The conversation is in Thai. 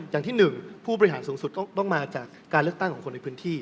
อย่างที่๑ผู้บริหารสูงสุดต้องมาจากการเลือกตั้งของคนในพื้นที่